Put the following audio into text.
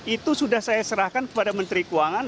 itu sudah saya serahkan kepada menteri keuangan